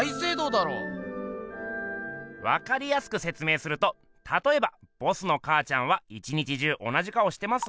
分かりやすく説明するとたとえばボスのかあちゃんは一日中同じ顔してます？